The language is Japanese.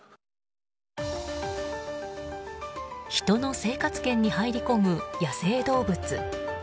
人の生活圏に入り込む野生動物。